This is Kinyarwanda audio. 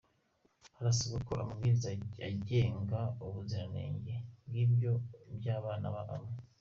Harasabwa ko amabwiriza agenga ubuziranenge bw’ibiryo by’abana aba amwe